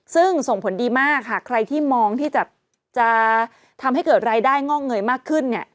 ซึ่งส่งผลดีมากค่ะใครที่มองที่จะทำให้เกิดรายได้งอกเงยมากขึ้นเนี่ย